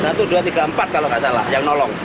satu dua tiga empat kalau nggak salah yang nolong